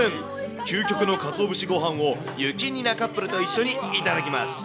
究極のかつお節ごはんをゆきになカップルと一緒に頂きます。